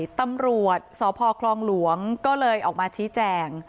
ตำรวจสพคลองหลวงก็เลยออกมาชี้แจง